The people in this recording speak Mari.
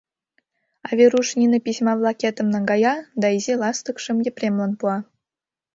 А Веруш нине письма-влакетым наҥгая да изи ластыкшым Епремлан пуа.